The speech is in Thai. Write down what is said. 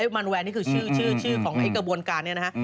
มันแวร์นี่คือชื่อของไอ้กระบวนการเนี่ยนะฮะ